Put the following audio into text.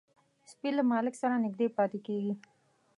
سپي له مالک سره نږدې پاتې کېږي.